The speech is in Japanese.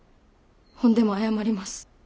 ほんでも謝ります。